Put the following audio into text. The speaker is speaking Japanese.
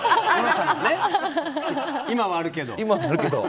今はあるけど。